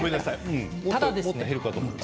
もっと減るかと思った。